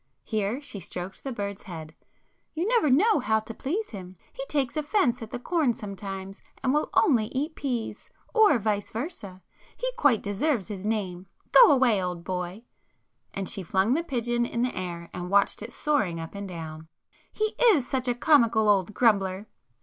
—here she stroked the bird's head—"You never know how to please him,—he takes offence at the corn sometimes and will only eat peas, or vice versa. He quite deserves his name,—go away, old boy!" and she flung the pigeon in the air and watched it soaring up and down—"He is such a comical old grumbler!